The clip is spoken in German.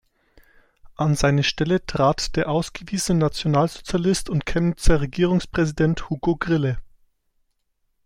An seine Stelle trat der ausgewiesene Nationalsozialist und Chemnitzer Regierungspräsident Hugo Grille.